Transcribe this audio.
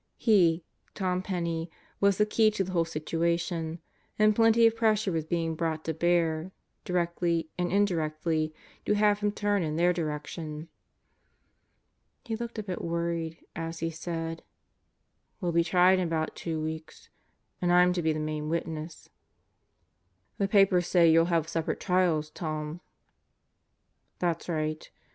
He, Tom Penney, was the key to the whole situation, and plenty of pressure was being brought to bear, directly and in directly, to have him turn in their direction. He looked a bit worried as he said: "We'll be tried in about two weeks. And I'm to be the main witness." "The papers say you'll have separate trials, Tom." "That's right.